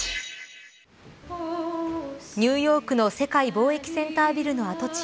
ニューヨークの世界貿易センタービルの跡地